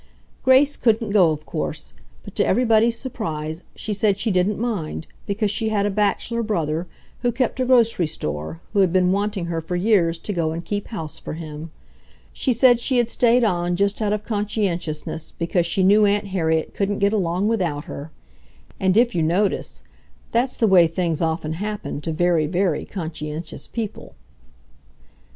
Grace couldn't go of course, but to everybody's surprise she said she didn't mind, because she had a bachelor brother, who kept a grocery store, who had been wanting her for years to go and keep house for him. She said she had stayed on just out of conscientiousness because she knew Aunt Harriet couldn't get along without her! And if you notice, that's the way things often happen to very, very conscientious people.